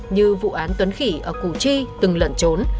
như vụ án tuấn khỉ ở củ chi từng lẩn trốn